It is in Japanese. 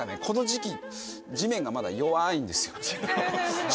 この時期地面がまだ弱いんですよ。